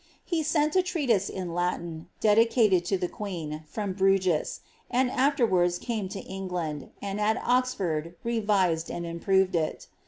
He sent a treatise in Latin, dedicated to the queen, from Bruges, and afterwards' came to England, and at Oxford revised and improved it.